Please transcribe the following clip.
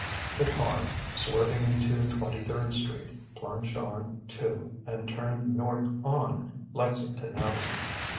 The car, swerving into Twenty third Street, plunged on to and turned north on Lexington Avenue.